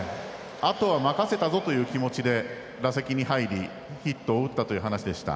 あとは任せたぞという気持ちで打席に入りヒットを打ったという話でした。